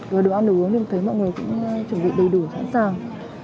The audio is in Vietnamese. rồi được ăn được uống nên thấy mọi người cũng chuẩn bị đầy đủ sẵn sàng